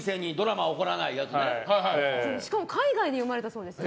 しかも海外で生まれたそうですよ。